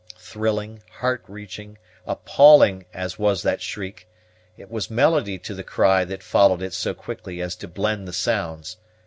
Thrilling, heartreaching, appalling as was that shriek, it was melody to the cry that followed it so quickly as to blend the sounds.